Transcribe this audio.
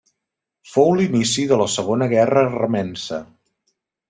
Fou l'inici de la Segona Guerra Remença.